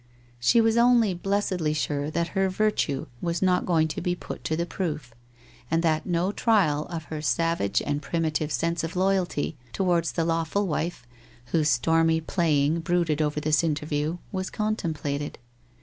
She was only blessedly sure that her virtue was not going to be put to the proof, and that no trial of her savage and primitive sense of loyalty towards the lawful wife whose stormy playing brooded over this interview was con templated.